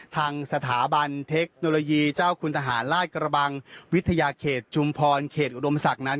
ทางสถาบันเทคโนโลยีเจ้าคุณทหารราชกระบังวิทยาเขตชุมพรเขตอุดมศักดิ์นั้น